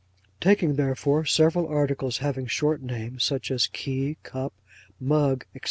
Taking, therefore, several articles having short names, such as key, cup, mug, &c.